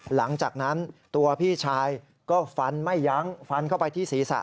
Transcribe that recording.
หลังจากนั้นตัวพี่ชายก็ฟันไม่ยั้งฟันเข้าไปที่ศีรษะ